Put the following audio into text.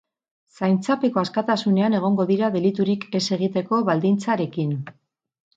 Zaintzapeko askatasunean egongo dira deliturik ez egiteko baldintzarekin.